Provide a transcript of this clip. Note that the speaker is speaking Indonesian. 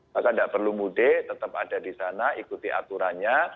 maka tidak perlu mudik tetap ada di sana ikuti aturannya